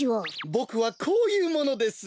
ボクはこういうものです。